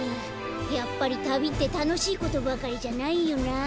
やっぱりたびってたのしいことばかりじゃないよな。